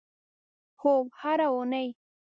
هو، هره اونۍ